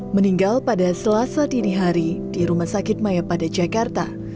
meninggal pada selasa dini hari di rumah sakit maya pada jakarta